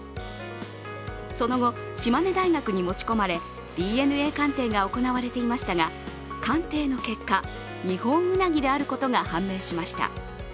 その後、島根大学に持ち込まれＤＮＡ鑑定が行われていましたが鑑定の結果、ニホンウナギであることが判明しました。